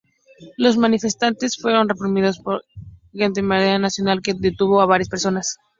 Los manifestantes fueron reprimidos por Gendarmería Nacional, que detuvo a varias personas.